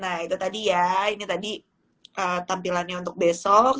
nah itu tadi ya ini tadi tampilannya untuk besok